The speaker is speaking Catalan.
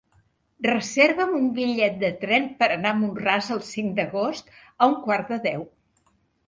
Reserva'm un bitllet de tren per anar a Mont-ras el cinc d'agost a un quart de deu.